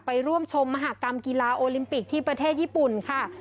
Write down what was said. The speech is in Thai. ร่วมชมมหากรรมกีฬาโอลิมปิกที่ประเทศญี่ปุ่นค่ะ